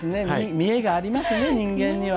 見栄がありますね、人間には。